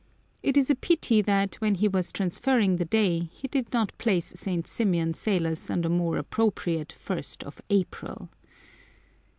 It is a pity that, when he was transferring the day, he did not place St. Symeon Salos on the more appropriate ist of April.